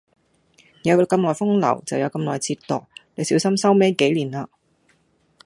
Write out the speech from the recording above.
有咁耐風流，就有咁耐折墮，你小心收尾幾年呀！